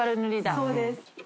そうです。